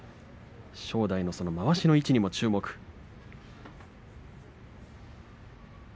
正代のまわしの位置に注目です。